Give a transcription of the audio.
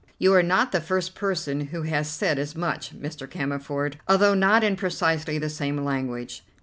"You are not the first person who has said as much, Mr. Cammerford, although not in precisely the same language.